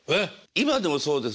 今でもそうです。